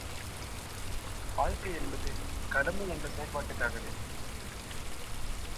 வாழ்க்கை என்பது கடமை என்ற செயற்பாட்டுக் காகவே.